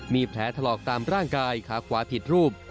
มีแผลถลอกตามร่างกายขาขวาผิดรูป